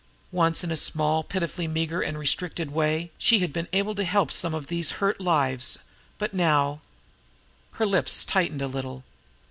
Once, in a small, pitifully meager and restricted way, she had been able to help some of these hurt lives, but now Her lips tightened a little.